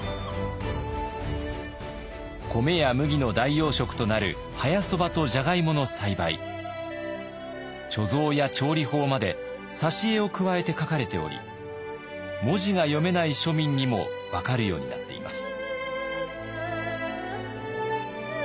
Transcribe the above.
米や麦の代用食となる早そばとジャガイモの栽培貯蔵や調理法まで挿絵を加えて書かれており文字が読めない庶民にも分かるようになっています。